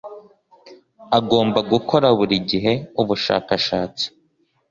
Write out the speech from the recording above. agomba gukora buri gihe ubushakashatsi